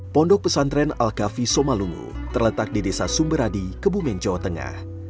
pondok pesantren al kafi somalungu terletak di desa sumberadi kebumen jawa tengah